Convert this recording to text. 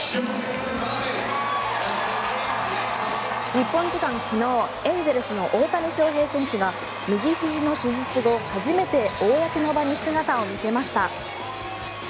日本時間昨日エンゼルスの大谷翔平選手が右ひじの手術後初めて公の場に姿を見せました。